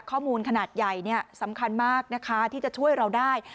ข้อมูลขนาดใหญ่สำคัญมากนะคะที่จะช่วยเราได้